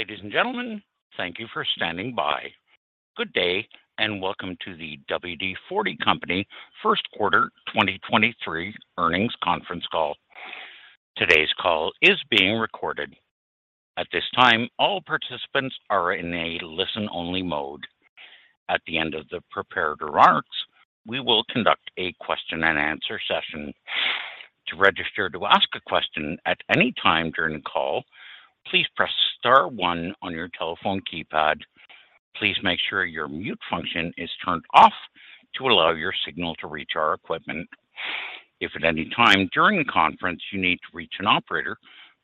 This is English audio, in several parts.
Ladies and gentlemen, thank you for standing by. Good day and welcome to the WD-40 Company First Quarter 2023 Earnings Conference Call. Today's call is being recorded. At this time, all participants are in a listen-only mode. At the end of the prepared remarks, we will conduct a question and answer session. To register to ask a question at any time during the call, please press Star one on your telephone keypad. Please make sure your mute function is turned off to allow your signal to reach our equipment. If at any time during the conference you need to reach an operator,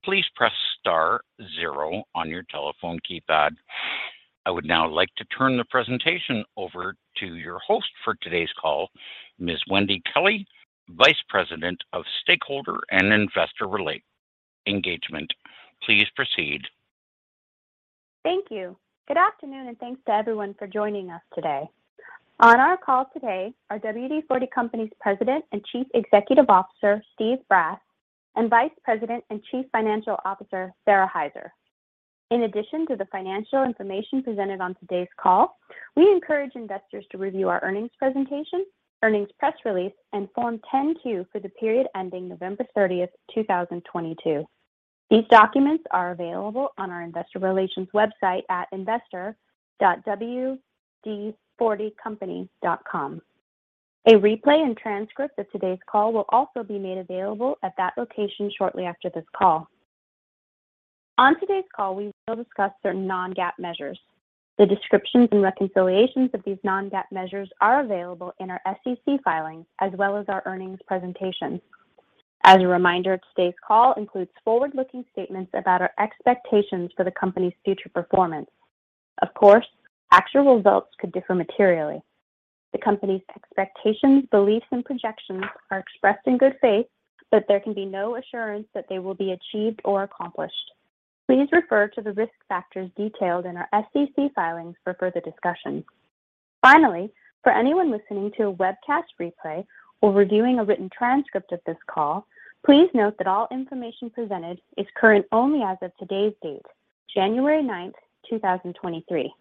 please press Star zero on your telephone keypad. I would now like to turn the presentation over to your host for today's call, Ms. Wendy Kelley, Vice President of Stakeholder and Investor Engagement. Please proceed. Thank you. Good afternoon, and thanks to everyone for joining us today. On our call today are WD-40 Company's President and Chief Executive Officer, Steve Brass, and Vice President and Chief Financial Officer, Sara Hyzer. In addition to the financial information presented on today's call, we encourage investors to review our earnings presentation, earnings press release, and Form 10-Q for the period ending November 30, 2022. These documents are available on our investor relations website at investor.wd40company.com. A replay and transcript of today's call will also be made available at that location shortly after this call. On today's call, we will discuss certain non-GAAP measures. The descriptions and reconciliations of these non-GAAP measures are available in our SEC filings as well as our earnings presentation. As a reminder, today's call includes forward-looking statements about our expectations for the company's future performance. Of course, actual results could differ materially. The company's expectations, beliefs, and projections are expressed in good faith, but there can be no assurance that they will be achieved or accomplished. Please refer to the risk factors detailed in our SEC filings for further discussion. Finally, for anyone listening to a webcast replay or reviewing a written transcript of this call, please note that all information presented is current only as of today's date, January 9, 2023.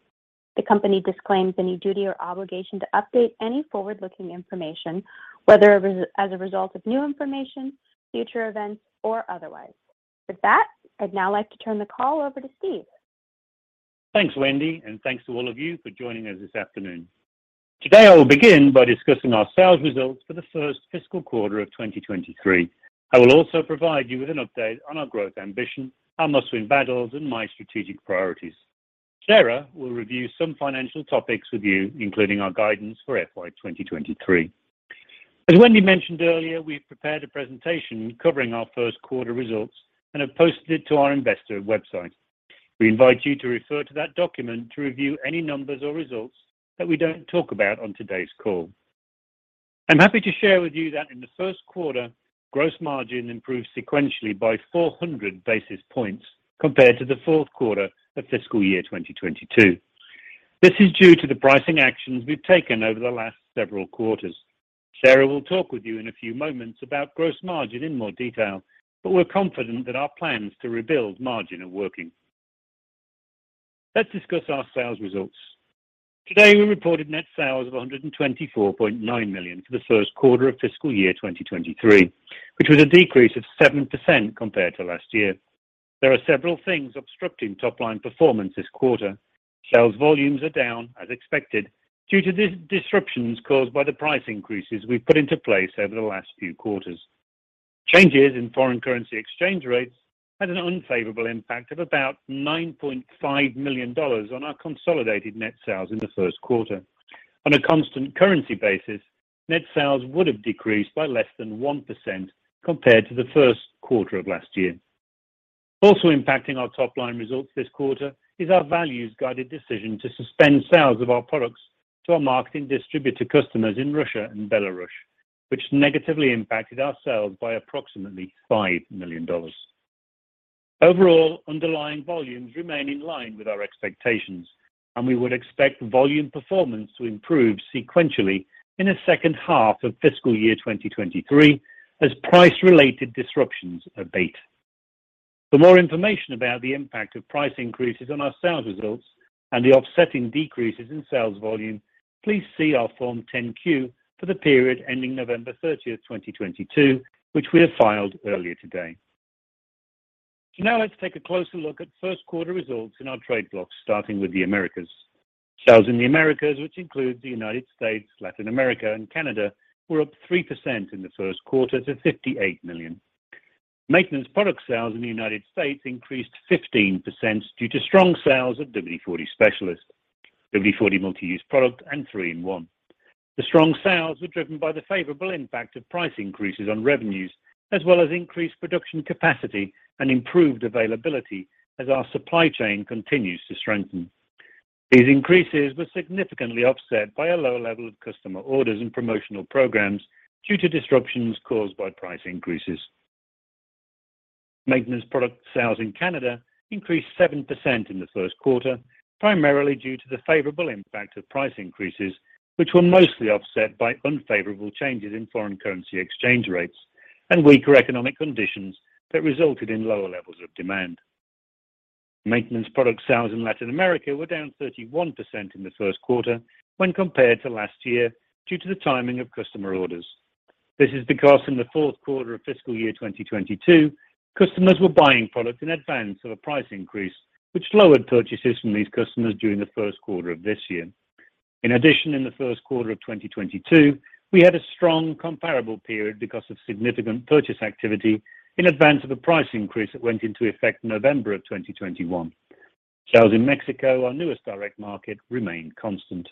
The company disclaims any duty or obligation to update any forward-looking information, whether as a result of new information, future events, or otherwise. With that, I'd now like to turn the call over to Steve. Thanks, Wendy, and thanks to all of you for joining us this afternoon. Today I will begin by discussing our sales results for the first fiscal quarter of 2023. I will also provide you with an update on our growth ambition, our Must-Win Battles, and my strategic priorities. Sara will review some financial topics with you, including our guidance for FY 2023. As Wendy mentioned earlier, we've prepared a presentation covering our first quarter results and have posted it to our investor website. We invite you to refer to that document to review any numbers or results that we don't talk about on today's call. I'm happy to share with you that in the first quarter, gross margin improved sequentially by 400 basis points compared to the fourth quarter of fiscal year 2022. This is due to the pricing actions we've taken over the last several quarters. Sara Hyzer will talk with you in a few moments about gross margin in more detail, but we're confident that our plans to rebuild margin are working. Let's discuss our sales results. Today, we reported net sales of $124.9 million for the first quarter of fiscal year 2023, which was a decrease of 7% compared to last year. There are several things obstructing top-line performance this quarter. Sales volumes are down, as expected, due to disruptions caused by the price increases we've put into place over the last few quarters. Changes in foreign currency exchange rates had an unfavorable impact of about $9.5 million on our consolidated net sales in the first quarter. On a constant currency basis, net sales would have decreased by less than 1% compared to the first quarter of last year. Also impacting our top-line results this quarter is our values-guided decision to suspend sales of our products to our marketing distributor customers in Russia and Belarus, which negatively impacted our sales by approximately $5 million. Overall, underlying volumes remain in line with our expectations, and we would expect volume performance to improve sequentially in the second half of fiscal year 2023 as price-related disruptions abate. For more information about the impact of price increases on our sales results and the offsetting decreases in sales volume, please see our Form 10-Q for the period ending November 30, 2022, which we have filed earlier today. Now let's take a closer look at first quarter results in our trade blocks, starting with the Americas. Sales in the Americas, which includes the United States, Latin America, and Canada, were up 3% in the first quarter to $58 million. Maintenance product sales in the United States increased 15% due to strong sales of WD-40 Specialist, WD-40 Multi-Use Product, and 3-IN-ONE. The strong sales were driven by the favorable impact of price increases on revenues, as well as increased production capacity and improved availability as our supply chain continues to strengthen. These increases were significantly offset by a lower level of customer orders and promotional programs due to disruptions caused by price increases. Maintenance product sales in Canada increased 7% in the first quarter, primarily due to the favorable impact of price increases, which were mostly offset by unfavorable changes in foreign currency exchange rates. Weaker economic conditions that resulted in lower levels of demand. Maintenance product sales in Latin America were down 31% in the first quarter when compared to last year due to the timing of customer orders. This is because in the fourth quarter of fiscal year 2022, customers were buying products in advance of a price increase, which lowered purchases from these customers during the first quarter of this year. In addition, in the first quarter of 2022, we had a strong comparable period because of significant purchase activity in advance of a price increase that went into effect November of 2021. Sales in Mexico, our newest direct market, remained constant.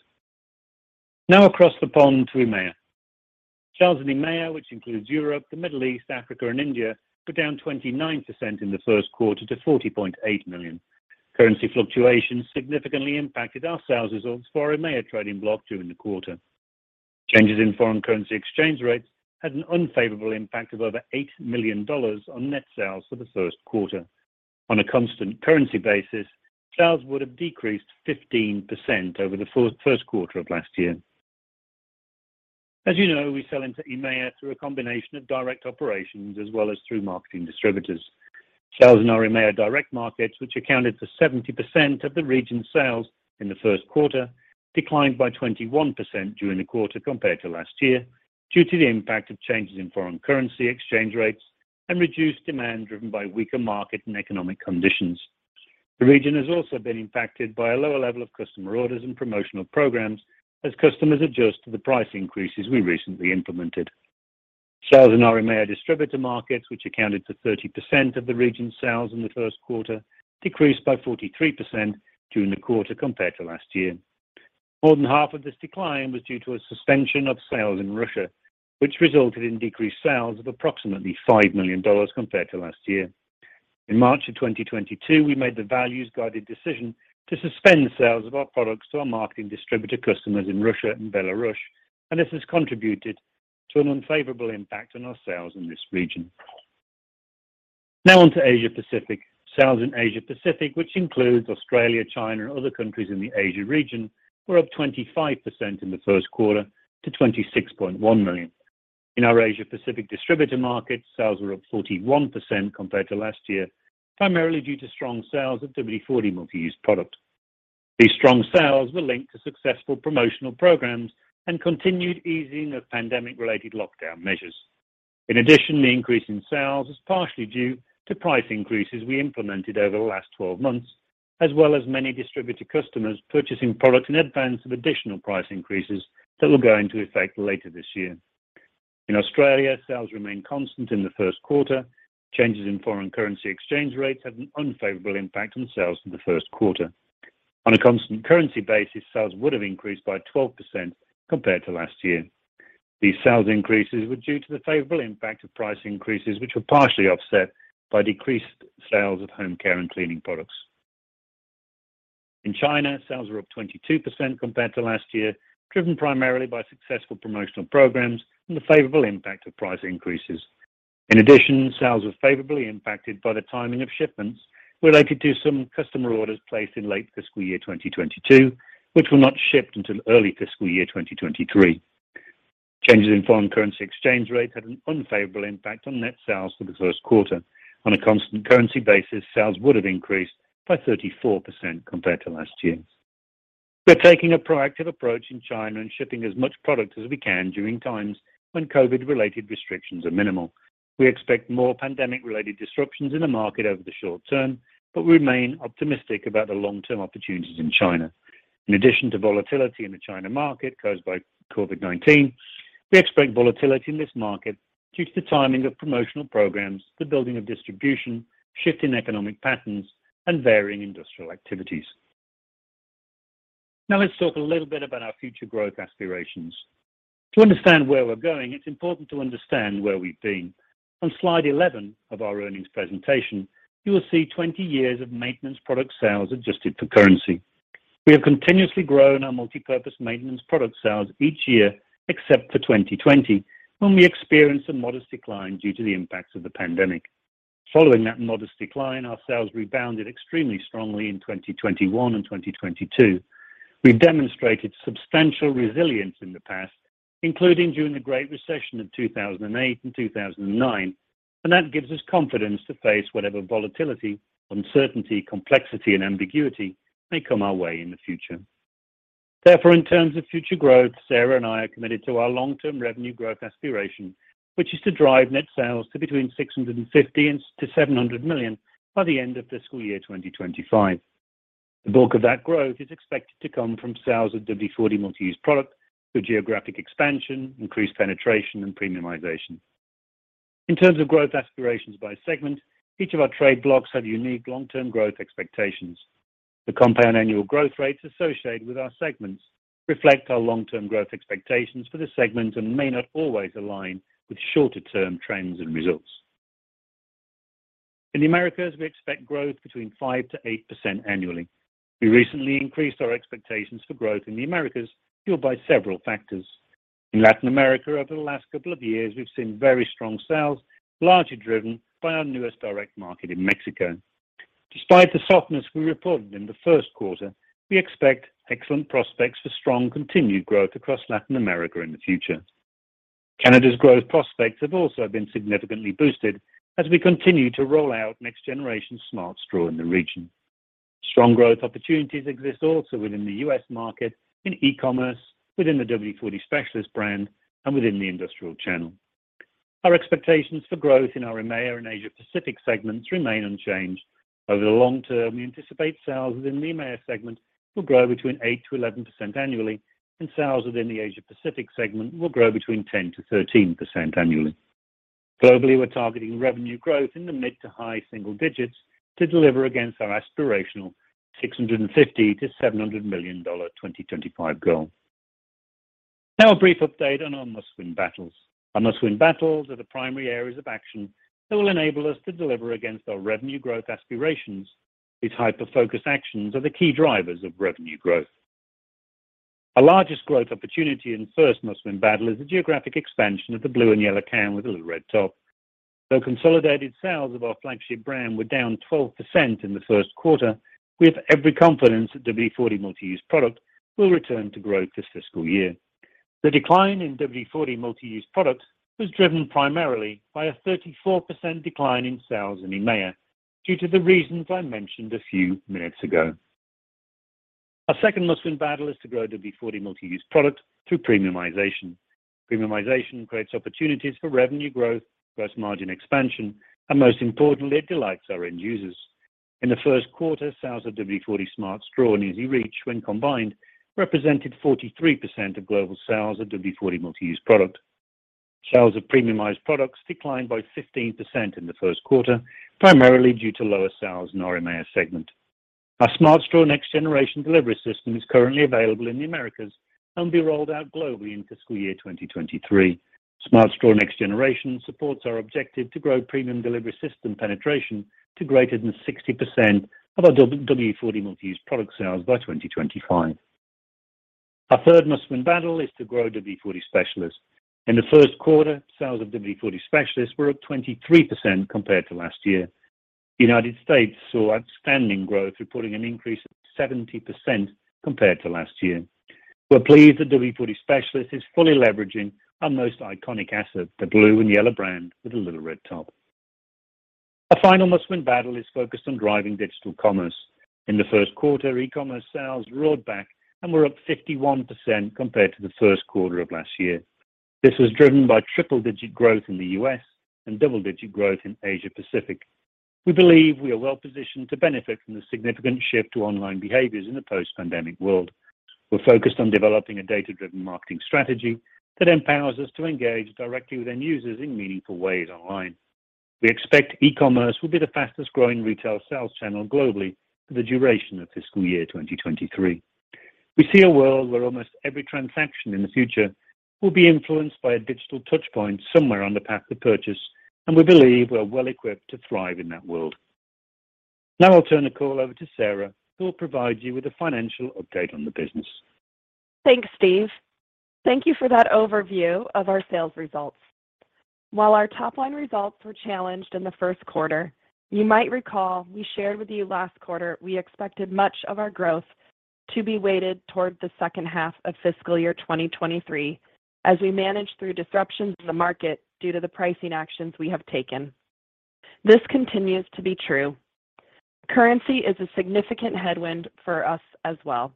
Across the pond to EMEA. Sales in EMEA, which includes Europe, the Middle East, Africa, and India, were down 29% in the first quarter to $40.8 million. Currency fluctuations significantly impacted our sales results for our EMEA trading block during the quarter. Changes in foreign currency exchange rates had an unfavorable impact of over $8 million on net sales for the first quarter. On a constant currency basis, sales would have decreased 15% over the first quarter of last year. As you know, we sell into EMEA through a combination of direct operations as well as through marketing distributors. Sales in our EMEA direct markets, which accounted for 70% of the region's sales in the first quarter, declined by 21% during the quarter compared to last year due to the impact of changes in foreign currency exchange rates and reduced demand driven by weaker market and economic conditions. The region has also been impacted by a lower level of customer orders and promotional programs as customers adjust to the price increases we recently implemented. Sales in our EMEA distributor markets, which accounted for 30% of the region's sales in the first quarter, decreased by 43% during the quarter compared to last year. More than half of this decline was due to a suspension of sales in Russia, which resulted in decreased sales of approximately $5 million compared to last year. In March of 2022, we made the values-guided decision to suspend sales of our products to our marketing distributor customers in Russia and Belarus, and this has contributed to an unfavorable impact on our sales in this region. On to Asia Pacific. Sales in Asia Pacific, which includes Australia, China, and other countries in the Asia region, were up 25% in the first quarter to $26.1 million. In our Asia Pacific distributor markets, sales were up 41% compared to last year, primarily due to strong sales of WD-40 Multi-Use Product. These strong sales were linked to successful promotional programs and continued easing of pandemic-related lockdown measures. In addition, the increase in sales is partially due to price increases we implemented over the last 12 months, as well as many distributor customers purchasing products in advance of additional price increases that will go into effect later this year. In Australia, sales remained constant in the first quarter. Changes in foreign currency exchange rates had an unfavorable impact on sales in the first quarter. On a constant currency basis, sales would have increased by 12% compared to last year. These sales increases were due to the favorable impact of price increases, which were partially offset by decreased sales of home care and cleaning products. In China, sales were up 22% compared to last year, driven primarily by successful promotional programs and the favorable impact of price increases. In addition, sales were favorably impacted by the timing of shipments related to some customer orders placed in late fiscal year 2022, which were not shipped until early fiscal year 2023. Changes in foreign currency exchange rates had an unfavorable impact on net sales for the first quarter. On a constant currency basis, sales would have increased by 34% compared to last year. We're taking a proactive approach in China and shipping as much product as we can during times when COVID-related restrictions are minimal. We expect more pandemic-related disruptions in the market over the short term, we remain optimistic about the long-term opportunities in China. In addition to volatility in the China market caused by COVID-19, we expect volatility in this market due to the timing of promotional programs, the building of distribution, shift in economic patterns, and varying industrial activities. Let's talk a little bit about our future growth aspirations. To understand where we're going, it's important to understand where we've been. On slide 11 of our earnings presentation, you will see 20 years of maintenance product sales adjusted for currency. We have continuously grown our multipurpose maintenance product sales each year except for 2020, when we experienced a modest decline due to the impacts of the pandemic. Following that modest decline, our sales rebounded extremely strongly in 2021 and 2022. We've demonstrated substantial resilience in the past, including during the Great Recession of 2008 and 2009, and that gives us confidence to face whatever volatility, uncertainty, complexity, and ambiguity may come our way in the future. Therefore, in terms of future growth, Sara and I are committed to our long-term revenue growth aspiration, which is to drive net sales to between $650 million and to $700 million by the end of fiscal year 2025. The bulk of that growth is expected to come from sales of WD-40 Multi-Use Product through geographic expansion, increased penetration, and premiumization. In terms of growth aspirations by segment, each of our trade blocks have unique long-term growth expectations. The compound annual growth rates associated with our segments reflect our long-term growth expectations for the segment and may not always align with shorter-term trends and results. In the Americas, we expect growth between 5%-8% annually. We recently increased our expectations for growth in the Americas fueled by several factors. In Latin America, over the last couple of years, we've seen very strong sales, largely driven by our newest direct market in Mexico. Despite the softness we reported in the first quarter, we expect excellent prospects for strong continued growth across Latin America in the future. Canada's growth prospects have also been significantly boosted as we continue to roll out Next Generation Smart Straw in the region. Strong growth opportunities exist also within the U.S. market, in e-commerce, within the WD-40 Specialist brand, and within the industrial channel. Our expectations for growth in our EMEA and Asia Pacific segments remain unchanged. Over the long term, we anticipate sales within the EMEA segment will grow between 8%-11% annually, and sales within the Asia Pacific segment will grow between 10%-13% annually. Globally, we're targeting revenue growth in the mid to high single digits to deliver against our aspirational $650 million-$700 million 2025 goal. A brief update on our Must-Win Battles. Our Must-Win Battles are the primary areas of action that will enable us to deliver against our revenue growth aspirations. These hyper-focused actions are the key drivers of revenue growth. Our largest growth opportunity and first Must-Win Battle is the geographic expansion of the blue and yellow can with a little red top. Though consolidated sales of our flagship brand were down 12% in the first quarter, we have every confidence that WD-40 Multi-Use Product will return to growth this fiscal year. The decline in WD-40 Multi-Use Product was driven primarily by a 34% decline in sales in EMEA due to the reasons I mentioned a few minutes ago. Our second Must-Win Battle is to grow WD-40 Multi-Use Product through premiumization. Premiumization creates opportunities for revenue growth, gross margin expansion, and most importantly, it delights our end users. In the first quarter, sales of WD-40 Smart Straw and EZ-REACH, when combined, represented 43% of global sales of WD-40 Multi-Use Product. Sales of premiumized products declined by 15% in the first quarter, primarily due to lower sales in our EMEA segment. Our Smart Straw Next Generation delivery system is currently available in the Americas and will be rolled out globally in fiscal year 2023. Smart Straw Next Generation supports our objective to grow premium delivery system penetration to greater than 60% of our WD-40 Multi-Use Product sales by 2025. Our third Must-Win Battle is to grow WD-40 Specialist. In the first quarter, sales of WD-40 Specialist were up 23% compared to last year. The United States saw outstanding growth, reporting an increase of 70% compared to last year. We're pleased that WD-40 Specialist is fully leveraging our most iconic asset, the blue and yellow brand with a little red top. Our final Must-Win Battle is focused on driving digital commerce. In the first quarter, e-commerce sales roared back and were up 51% compared to the first quarter of last year. This was driven by triple-digit growth in the US and double-digit growth in Asia Pacific. We believe we are well-positioned to benefit from the significant shift to online behaviors in a post-pandemic world. We're focused on developing a data-driven marketing strategy that empowers us to engage directly with end users in meaningful ways online. We expect e-commerce will be the fastest growing retail sales channel globally for the duration of fiscal year 2023. We see a world where almost every transaction in the future will be influenced by a digital touchpoint somewhere on the path to purchase, and we believe we're well-equipped to thrive in that world. Now I'll turn the call over to Sara, who will provide you with a financial update on the business. Thanks, Steve. Thank you for that overview of our sales results. While our top line results were challenged in the first quarter, you might recall we shared with you last quarter we expected much of our growth to be weighted toward the second half of fiscal year 2023 as we manage through disruptions in the market due to the pricing actions we have taken. This continues to be true. Currency is a significant headwind for us as well.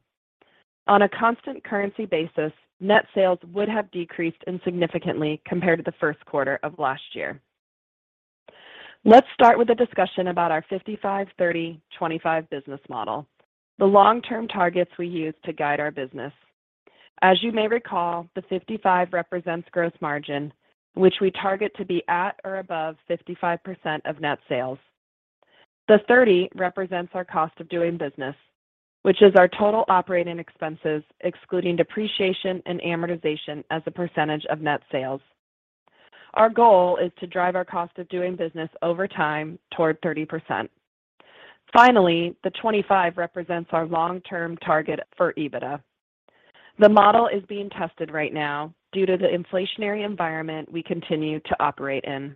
On a constant currency basis, net sales would have decreased insignificantly compared to the first quarter of last year. Let's start with a discussion about our 55/30/25 business model, the long-term targets we use to guide our business. As you may recall, the 55 represents gross margin, which we target to be at or above 55% of net sales. The 30 represents our cost of doing business, which is our total operating expenses, excluding depreciation and amortization as a percentage of net sales. Our goal is to drive our cost of doing business over time toward 30%. Finally, the 25 represents our long-term target for EBITDA. The model is being tested right now due to the inflationary environment we continue to operate in.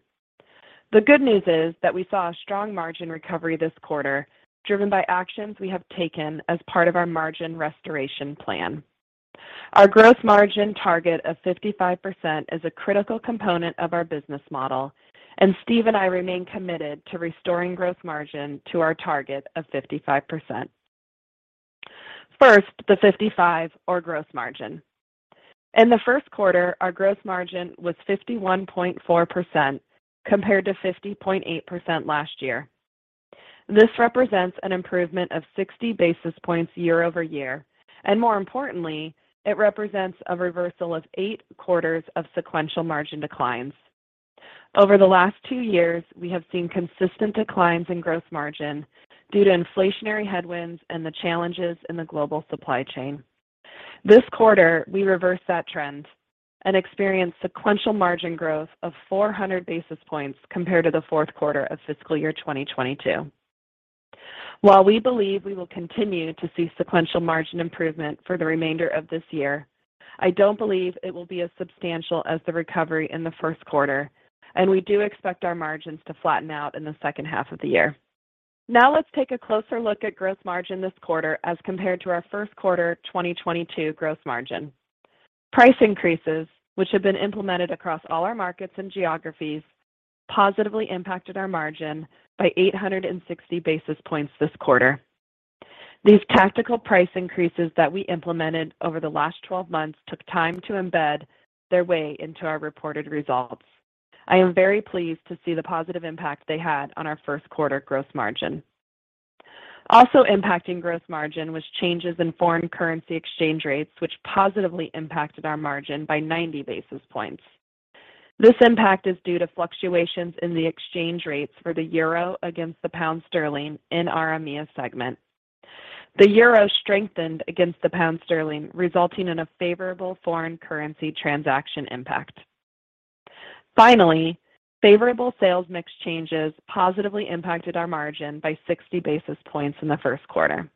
The good news is that we saw a strong margin recovery this quarter, driven by actions we have taken as part of our margin restoration plan. Our gross margin target of 55% is a critical component of our business model, and Steve and I remain committed to restoring gross margin to our target of 55%. First, the 55, or gross margin. In the first quarter, our gross margin was 51.4% compared to 50.8% last year. This represents an improvement of 60 basis points year-over-year, and more importantly, it represents a reversal of eight quarters of sequential margin declines. Over the last two years, we have seen consistent declines in gross margin due to inflationary headwinds and the challenges in the global supply chain. This quarter, we reversed that trend and experienced sequential margin growth of 400 basis points compared to the fourth quarter of fiscal year 2022. While we believe we will continue to see sequential margin improvement for the remainder of this year, I don't believe it will be as substantial as the recovery in the first quarter, and we do expect our margins to flatten out in the second half of the year. Now let's take a closer look at gross margin this quarter as compared to our first quarter 2022 gross margin. Price increases, which have been implemented across all our markets and geographies, positively impacted our margin by 860 basis points this quarter. These tactical price increases that we implemented over the last 12 months took time to embed their way into our reported results. I am very pleased to see the positive impact they had on our first quarter gross margin. Also impacting gross margin was changes in foreign currency exchange rates, which positively impacted our margin by 90 basis points. This impact is due to fluctuations in the exchange rates for the Euro against the Pound Sterling in our EMEA segment. The Euro strengthened against the Pound Sterling, resulting in a favorable foreign currency transaction impact. Finally, favorable sales mix changes positively impacted our margin by 60 basis points in the first quarter.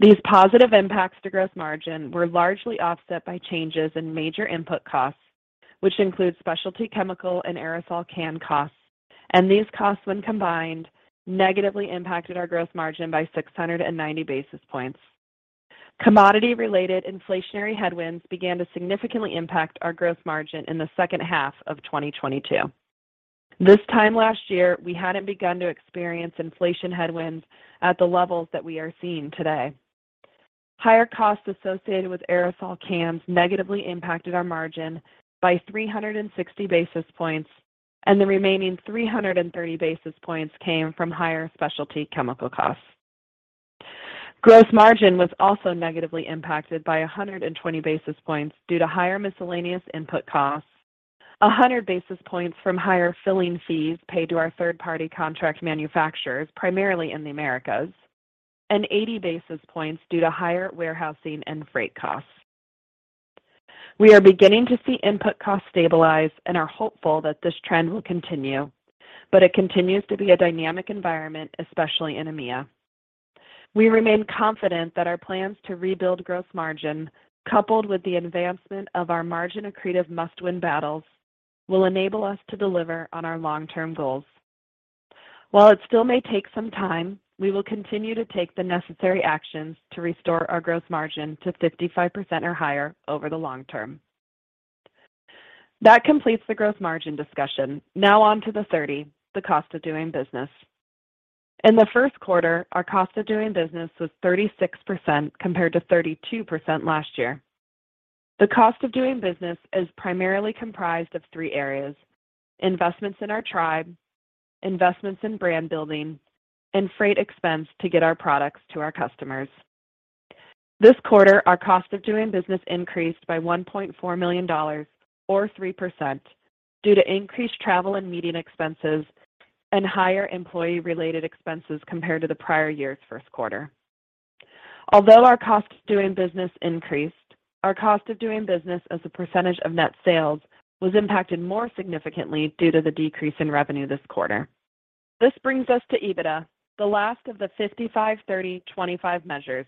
These positive impacts to gross margin were largely offset by changes in major input costs, which include specialty chemical and aerosol can costs, and these costs, when combined, negatively impacted our gross margin by 690 basis points. Commodity-related inflationary headwinds began to significantly impact our gross margin in the second half of 2022. This time last year, we hadn't begun to experience inflation headwinds at the levels that we are seeing today. Higher costs associated with aerosol cans negatively impacted our margin by 360 basis points, and the remaining 330 basis points came from higher specialty chemical costs. Gross margin was also negatively impacted by 120 basis points due to higher miscellaneous input costs, 100 basis points from higher filling fees paid to our third-party contract manufacturers, primarily in the Americas, and 80 basis points due to higher warehousing and freight costs. We are beginning to see input costs stabilize and are hopeful that this trend will continue, but it continues to be a dynamic environment, especially in EMEA. We remain confident that our plans to rebuild gross margin, coupled with the advancement of our margin-accretive Must-Win Battles, will enable us to deliver on our long-term goals. While it still may take some time, we will continue to take the necessary actions to restore our gross margin to 55% or higher over the long term. That completes the gross margin discussion. Now on to the 30, the cost of doing business. In the first quarter, our cost of doing business was 36% compared to 32% last year. The cost of doing business is primarily comprised of three areas: investments in our tribe, investments in brand building, and freight expense to get our products to our customers. This quarter, our cost of doing business increased by $1.4 million or 3% due to increased travel and meeting expenses and higher employee-related expenses compared to the prior year's first quarter. Although our costs of doing business increased, our cost of doing business as a percentage of net sales was impacted more significantly due to the decrease in revenue this quarter. This brings us to EBITDA, the last of the 55, 30, 25 measures.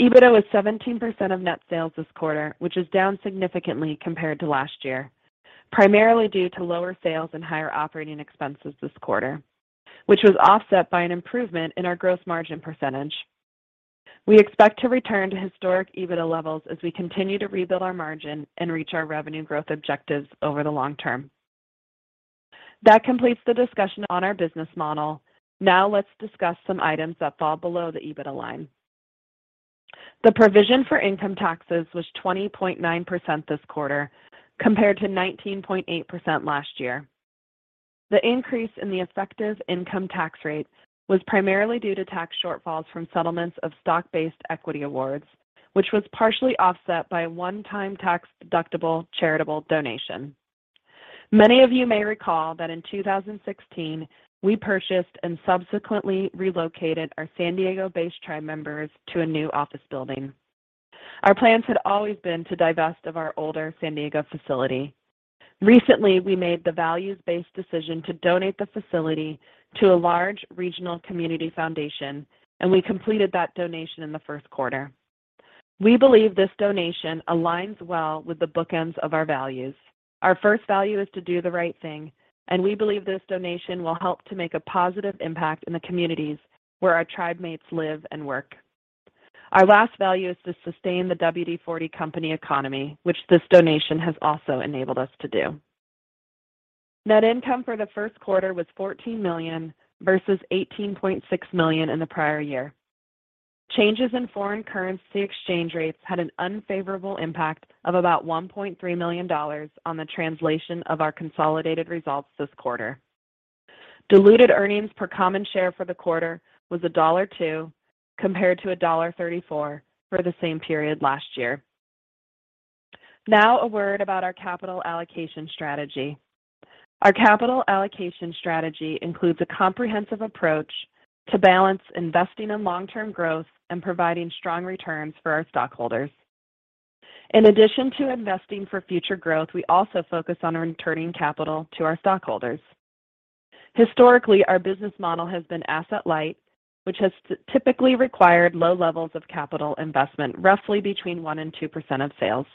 EBITDA was 17% of net sales this quarter, which is down significantly compared to last year, primarily due to lower sales and higher operating expenses this quarter, which was offset by an improvement in our gross margin %. We expect to return to historic EBITDA levels as we continue to rebuild our margin and reach our revenue growth objectives over the long term. That completes the discussion on our business model. Now let's discuss some items that fall below the EBITDA line. The provision for income taxes was 20.9% this quarter compared to 19.8% last year. The increase in the effective income tax rate was primarily due to tax shortfalls from settlements of stock-based equity awards, which was partially offset by a one-time tax-deductible charitable donation. Many of you may recall that in 2016, we purchased and subsequently relocated our San Diego-based tribemates to a new office building. Our plans had always been to divest of our older San Diego facility. Recently, we made the values-based decision to donate the facility to a large regional community foundation, and we completed that donation in the first quarter. We believe this donation aligns well with the bookends of our values. Our first value is to do the right thing, and we believe this donation will help to make a positive impact in the communities where our tribemates live and work. Our last value is to sustain the WD-40 Company economy, which this donation has also enabled us to do. Net income for the first quarter was $14 million versus $18.6 million in the prior year. Changes in foreign currency exchange rates had an unfavorable impact of about $1.3 million on the translation of our consolidated results this quarter. Diluted earnings per common share for the quarter was $1.02 compared to $1.34 for the same period last year. Now a word about our capital allocation strategy. Our capital allocation strategy includes a comprehensive approach to balance investing in long-term growth and providing strong returns for our stockholders. In addition to investing for future growth, we also focus on returning capital to our stockholders. Historically, our business model has been asset light, which has typically required low levels of capital investment, roughly between 1% and 2% of sales.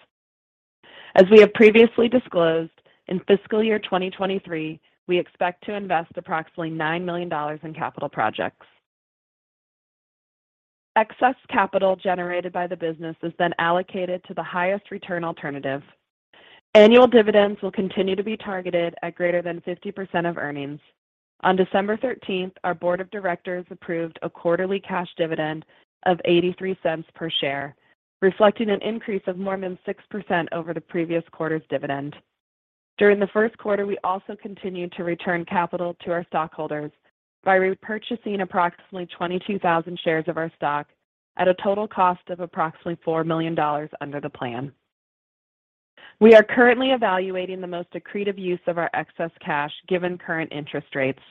As we have previously disclosed, in fiscal year 2023, we expect to invest approximately $9 million in capital projects. Excess capital generated by the business is then allocated to the highest return alternative. Annual dividends will continue to be targeted at greater than 50% of earnings. On December 13th, our board of directors approved a quarterly cash dividend of $0.83 per share, reflecting an increase of more than 6% over the previous quarter's dividend. During the first quarter, we also continued to return capital to our stockholders by repurchasing approximately 22,000 shares of our stock at a total cost of approximately $4 million under the plan. We are currently evaluating the most accretive use of our excess cash given current interest rates.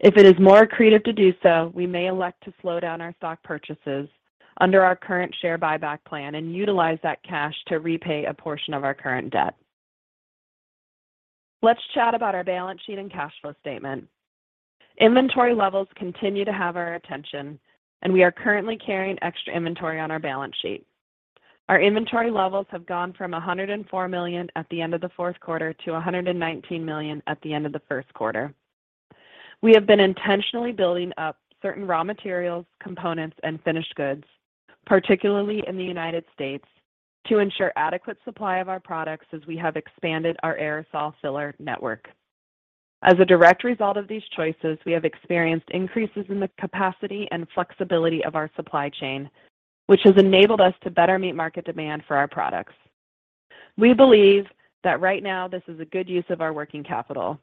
If it is more accretive to do so, we may elect to slow down our stock purchases under our current share buyback plan and utilize that cash to repay a portion of our current debt. Let's chat about our balance sheet and cash flow statement. Inventory levels continue to have our attention, and we are currently carrying extra inventory on our balance sheet. Our inventory levels have gone from $104 million at the end of the fourth quarter to $119 million at the end of the first quarter. We have been intentionally building up certain raw materials, components, and finished goods, particularly in the United States, to ensure adequate supply of our products as we have expanded our aerosol filler network. As a direct result of these choices, we have experienced increases in the capacity and flexibility of our supply chain, which has enabled us to better meet market demand for our products. We believe that right now this is a good use of our working capital.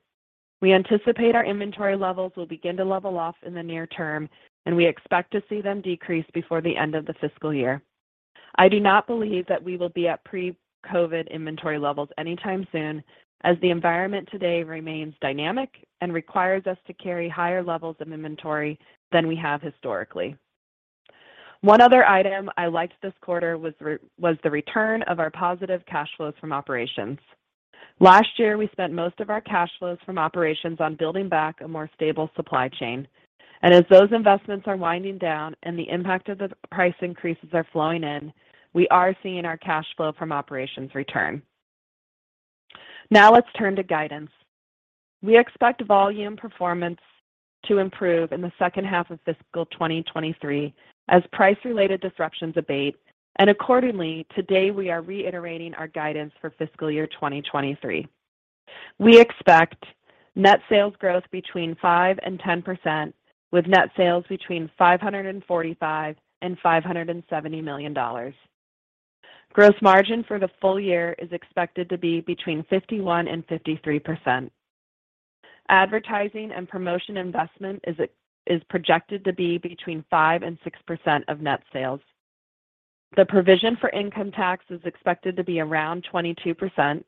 We anticipate our inventory levels will begin to level off in the near term, and we expect to see them decrease before the end of the fiscal year. I do not believe that we will be at pre-COVID inventory levels anytime soon, as the environment today remains dynamic and requires us to carry higher levels of inventory than we have historically. One other item I liked this quarter was the return of our positive cash flows from operations. Last year, we spent most of our cash flows from operations on building back a more stable supply chain, and as those investments are winding down and the impact of the price increases are flowing in, we are seeing our cash flow from operations return. Let's turn to guidance. We expect volume performance to improve in the second half of fiscal 2023 as price-related disruptions abate, and accordingly, today we are reiterating our guidance for fiscal year 2023. We expect net sales growth between 5%-10%, with net sales between $545 million-$570 million. Gross margin for the full year is expected to be between 51%-53%. Advertising and promotion investment is projected to be between 5%-6% of net sales. The provision for income tax is expected to be around 22%.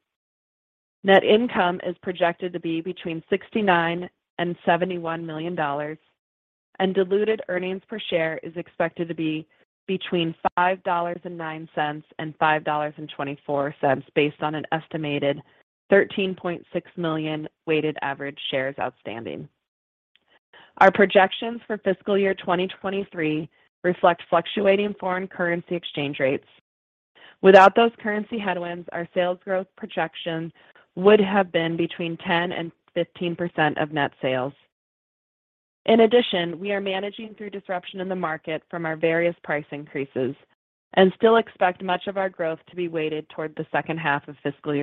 Net income is projected to be between $69 million-$71 million, and diluted earnings per share is expected to be between $5.09 and $5.24 based on an estimated 13.6 million weighted average shares outstanding. Our projections for fiscal year 2023 reflect fluctuating foreign currency exchange rates. Without those currency headwinds, our sales growth projections would have been between 10% and 15% of net sales. In addition, we are managing through disruption in the market from our various price increases and still expect much of our growth to be weighted toward the second half of fiscal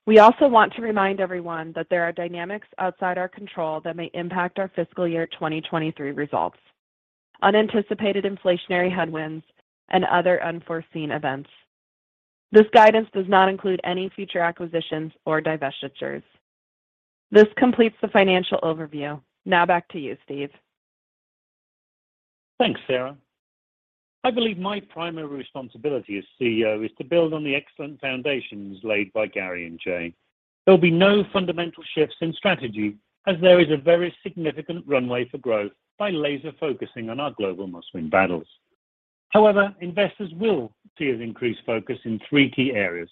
year 2023. We also want to remind everyone that there are dynamics outside our control that may impact our fiscal year 2023 results, unanticipated inflationary headwinds, and other unforeseen events. This guidance does not include any future acquisitions or divestitures. This completes the financial overview. Now back to you, Steve. Thanks, Sara. I believe my primary responsibility as CEO is to build on the excellent foundations laid by Gary and Jay. There'll be no fundamental shifts in strategy as there is a very significant runway for growth by laser-focusing on our global Must-Win Battles. Investors will see an increased focus in three key areas.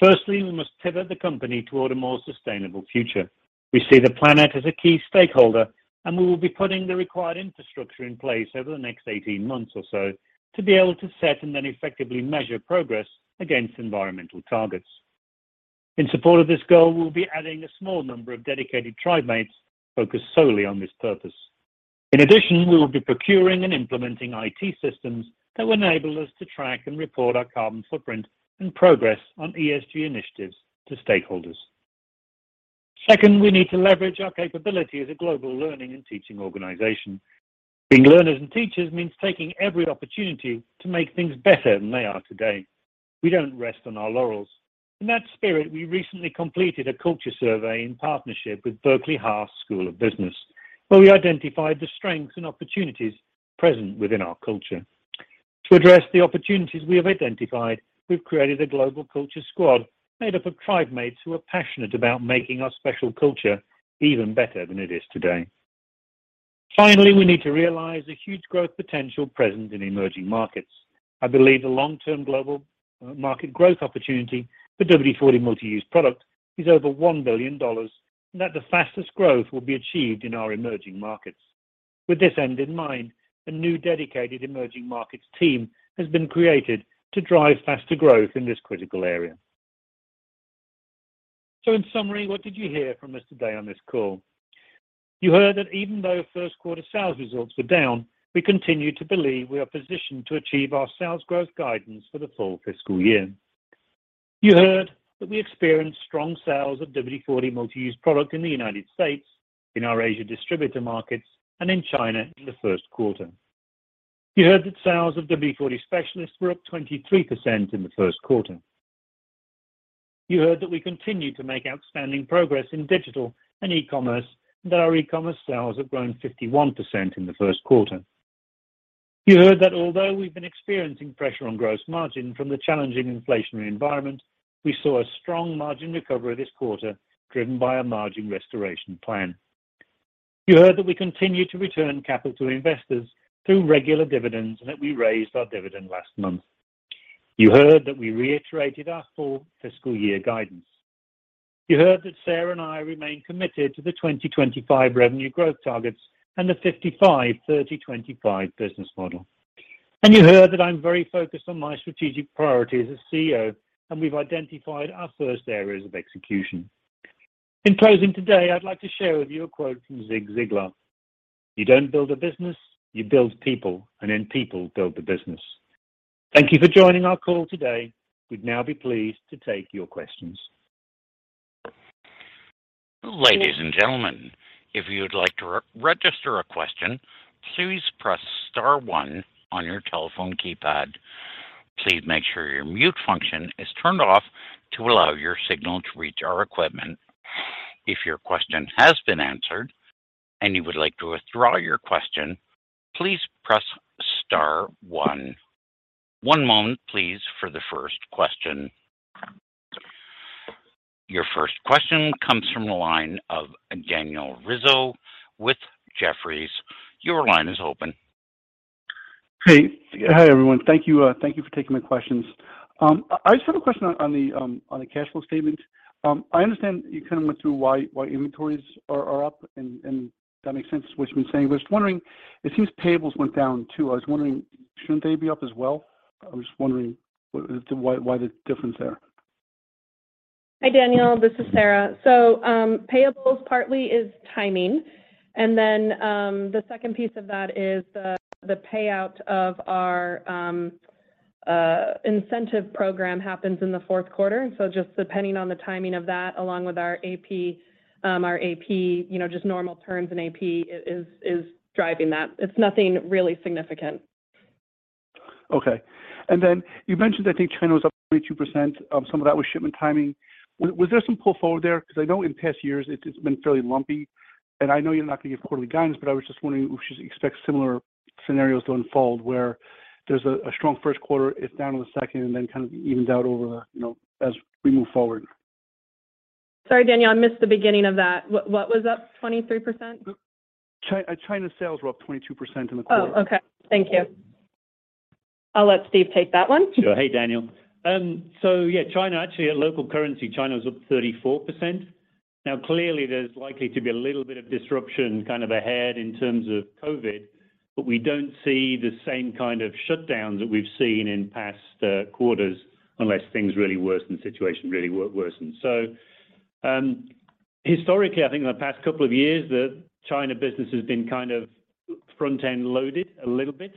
Firstly, we must pivot the company toward a more sustainable future. We see the planet as a key stakeholder, and we will be putting the required infrastructure in place over the next 18 months or so to be able to set and then effectively measure progress against environmental targets. In support of this goal, we'll be adding a small number of dedicated Tribemates focused solely on this purpose. In addition, we will be procuring and implementing IT systems that will enable us to track and report our carbon footprint and progress on ESG initiatives to stakeholders. Second, we need to leverage our capability as a global learning and teaching organization. Being learners and teachers means taking every opportunity to make things better than they are today. We don't rest on our laurels. In that spirit, we recently completed a culture survey in partnership with Berkeley Haas School of Business, where we identified the strengths and opportunities present within our culture. To address the opportunities we have identified, we've created a global culture squad made up of Tribemates who are passionate about making our special culture even better than it is today. Finally, we need to realize the huge growth potential present in emerging markets. I believe the long-term global market growth opportunity for WD-40 Multi-Use Product is over $1 billion, and that the fastest growth will be achieved in our emerging markets. With this end in mind, a new dedicated emerging markets team has been created to drive faster growth in this critical area. In summary, what did you hear from us today on this call? You heard that even though first quarter sales results were down, we continue to believe we are positioned to achieve our sales growth guidance for the full fiscal year. You heard that we experienced strong sales of WD-40 Multi-Use Product in the United States, in our Asia distributor markets, and in China in the first quarter. You heard that sales of WD-40 Specialist were up 23% in the first quarter. You heard that we continue to make outstanding progress in digital and e-commerce, and that our e-commerce sales have grown 51% in the first quarter. You heard that although we've been experiencing pressure on gross margin from the challenging inflationary environment, we saw a strong margin recovery this quarter, driven by a gross margin restoration plan. You heard that we continue to return capital investors through regular dividends and that we raised our dividend last month. You heard that we reiterated our full fiscal year guidance. You heard that Sara and I remain committed to the 2025 revenue growth targets and the 55/30/25 business model. You heard that I'm very focused on my strategic priorities as CEO, and we've identified our first areas of execution. In closing today, I'd like to share with you a quote from Zig Ziglar: "You don't build a business. You build people, and then people build the business." Thank you for joining our call today. We'd now be pleased to take your questions. Ladies and gentlemen, if you would like to re-register a question, please press star one on your telephone keypad. Please make sure your mute function is turned off to allow your signal to reach our equipment. If your question has been answered and you would like to withdraw your question, please press star one. One moment please for the first question. Your first question comes from the line of Daniel Rizzo with Jefferies. Your line is open. Hey. Hi, everyone. Thank you, thank you for taking my questions. I just have a question on the cash flow statement. I understand you kind of went through why inventories are up and that makes sense what you've been saying. I was wondering, it seems payables went down too. I was wondering, shouldn't they be up as well? I was just wondering why the difference there. Hi, Daniel. This is Sara. Payables partly is timing. The second piece of that is the payout of our incentive program happens in the fourth quarter. Just depending on the timing of that, along with our A&P, our A&P, you know, just normal terms in A&P is driving that. It's nothing really significant. Then you mentioned, I think China was up 22%. Some of that was shipment timing. Was there some pull forward there? Because I know in past years it's been fairly lumpy, and I know you're not gonna give quarterly guidance, but I was just wondering if we should expect similar scenarios to unfold where there's a strong first quarter, it's down in the second, and then kind of evens out over, you know, as we move forward. Sorry, Daniel, I missed the beginning of that. What was up 23%? China sales were up 22% in the quarter. Oh, okay. Thank you. I'll let Steve take that one. Sure. Hey, Daniel. Yeah, China, actually at local currency, China was up 34%. Clearly there's likely to be a little bit of disruption kind of ahead in terms of COVID, but we don't see the same kind of shutdowns that we've seen in past quarters unless things really worsen, the situation really worsen. Historically, I think in the past couple of years, the China business has been kind of front-end loaded a little bit,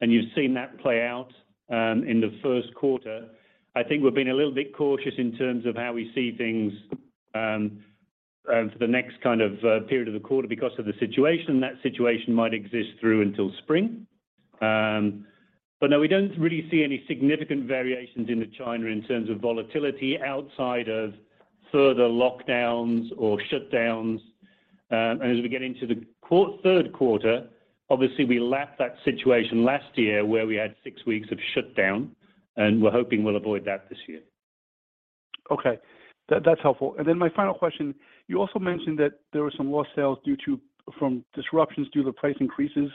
and you've seen that play out in the first quarter. I think we've been a little bit cautious in terms of how we see things for the next kind of period of the quarter because of the situation. That situation might exist through until spring. No, we don't really see any significant variations into China in terms of volatility outside of further lockdowns or shutdowns. As we get into the third quarter, obviously we lapped that situation last year where we had six weeks of shutdown, and we're hoping we'll avoid that this year. Okay. That's helpful. My final question, you also mentioned that there were some lost sales from disruptions due to price increases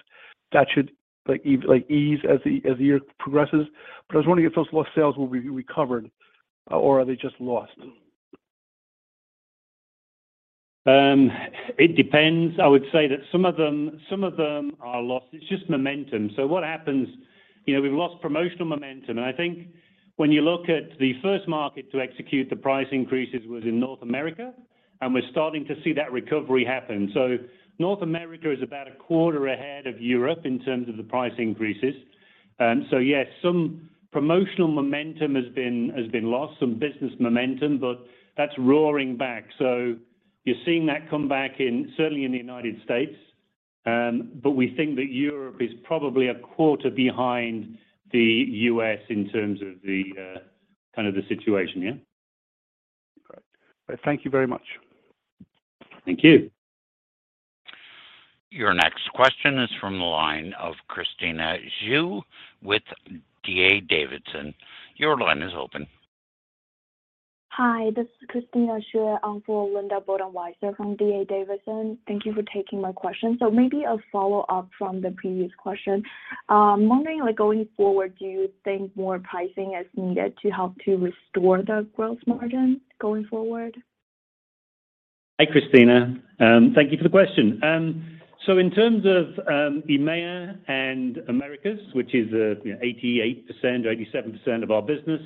that should like ease as the year progresses. I was wondering if those lost sales will be recovered or are they just lost? It depends. I would say that some of them are lost. It's just momentum. What happens, you know, we've lost promotional momentum, and I think when you look at the first market to execute the price increases was in North America, and we're starting to see that recovery happen. North America is about a quarter ahead of Europe in terms of the price increases. Yes, some promotional momentum has been lost, some business momentum, but that's roaring back. You're seeing that come back in certainly in the United States. We think that Europe is probably a quarter behind the U.S. in terms of the kind of the situation here. Great. Thank you very much. Thank you. Your next question is from the line of Christina Xue with D.A. Davidson. Your line is open. Hi, this is Christina Xue. I'm for Linda Bolton Weiser from D.A. Davidson. Thank you for taking my question. Maybe a follow-up from the previous question. Wondering, like, going forward, do you think more pricing is needed to help to restore the gross margin going forward? Hi, Christina. Thank you for the question. In terms of EMEA and Americas, which is, you know, 88% or 87% of our business,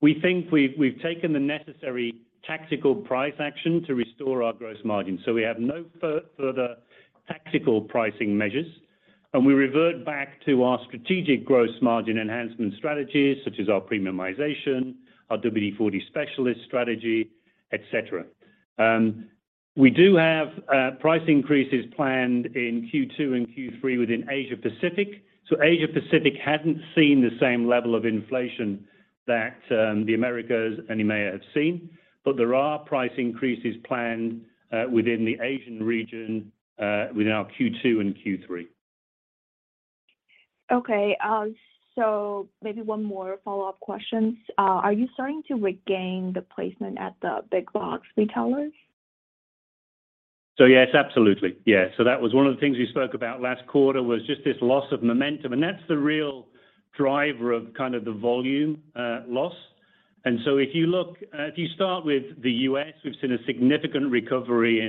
we think we've taken the necessary tactical price action to restore our gross margin. We have no further tactical pricing measures. We revert back to our strategic gross margin enhancement strategies, such as our premiumization, our WD-40 Specialist strategy, etc. We do have price increases planned in Q2 and Q3 within Asia-Pacific. Asia-Pacific hasn't seen the same level of inflation that the Americas and EMEA have seen. There are price increases planned within the Asian region within our Q2 and Q3. Okay. Maybe one more follow-up questions? Are you starting to regain the placement at the big box retailers? Yes, absolutely. Yeah. That was one of the things we spoke about last quarter was just this loss of momentum. That's the real driver of kind of the volume loss. If you start with the U.S., we've seen a significant recovery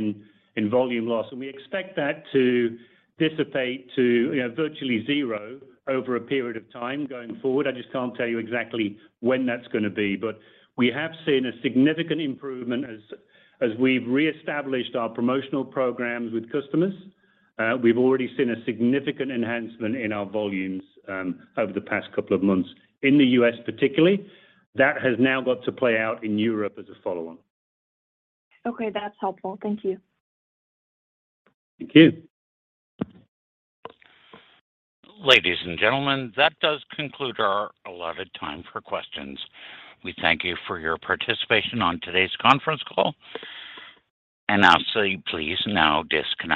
in volume loss. We expect that to dissipate to, you know, virtually zero over a period of time going forward. I just can't tell you exactly when that's gonna be. We have seen a significant improvement as we've reestablished our promotional programs with customers. We've already seen a significant enhancement in our volumes over the past couple of months in the U.S. particularly. That has now got to play out in Europe as a follow-on. That's helpful. Thank you. Thank you. Ladies and gentlemen, that does conclude our allotted time for questions. We thank you for your participation on today's conference call. I'll say please now disconnect.